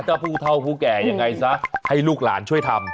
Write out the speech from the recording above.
ถ้าผู้เท่าผู้แก่ยังไงซะให้ลูกหลานช่วยทำ